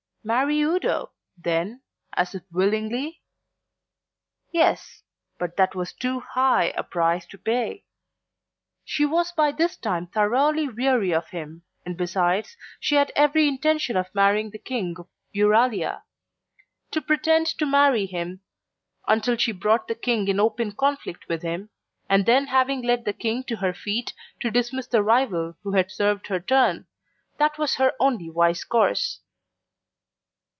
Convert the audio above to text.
Marry Udo, then, as if willingly? Yes, but that was too high a price to pay. She was by this time thoroughly weary of him and besides, she had every intention of marrying the King of Euralia. To pretend to marry him until she brought the King in open conflict with him, and then having led the King to her feet to dismiss the rival who had served her turn that was her only wise course.